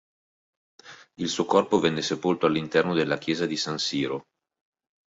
Il suo corpo venne sepolto all'interno della chiesa di San Siro.